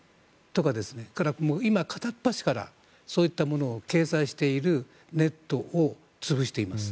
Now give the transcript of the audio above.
今片っ端からそういったものを掲載しているネットを潰しています。